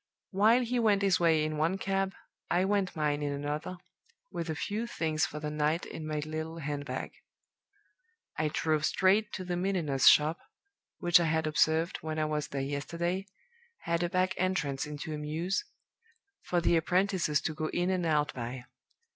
While he went his way in one cab, I went mine in another, with a few things for the night in my little hand bag. "I drove straight to the milliner's shop, which I had observed, when I was there yesterday, had a back entrance into a mews, for the apprentices to go in and out by.